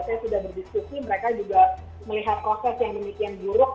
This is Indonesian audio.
saya sudah berdiskusi mereka juga melihat proses yang demikian buruk